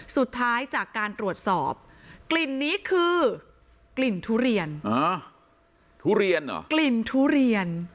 สุดท้ายจากการตรวจสอบกลิ่นนี้คือกลิ่นทุเรียน